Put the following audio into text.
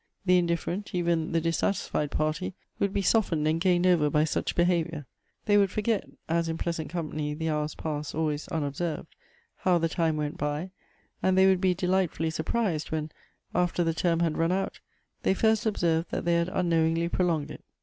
The indifferent, even the dissatisfied party, would be softened and gained over by such behavior; they would forget, as in pleasant company the hours pass al ways unobserved, how the time went by, and they would be delightfully surprised when, after the term had run out, they first obsei ved that they had unknowingly prolonged it."